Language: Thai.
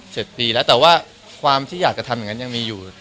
เจ็ดปีแล้วแต่ว่าความที่อยากกระทำเหมือนกันเองยังมีอยู่